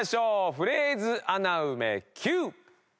フレーズ穴埋めＱ！